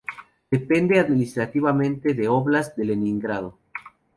Depende administrativamente del óblast de Leningrado.